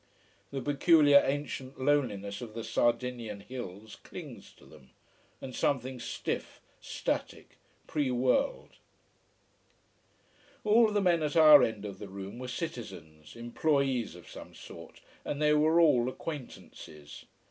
The peculiar ancient loneliness of the Sardinian hills clings to them, and something stiff, static, pre world. All the men at our end of the room were citizens employees of some sort and they were all acquaintances.